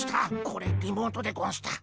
これリモートでゴンした。